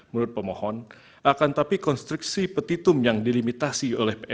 menurut pemohon akan tapi konstruksi petitum yang dilimitasi